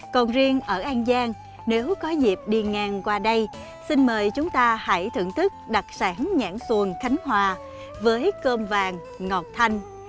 còn riêng ở an giang nếu có dịp đi ngang qua đây xin mời chúng ta hãy thưởng thức đặc sản nhãn xuồng khánh hòa với cơm vàng ngọt thanh